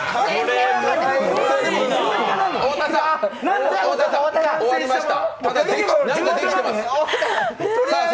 太田さん、終わりました。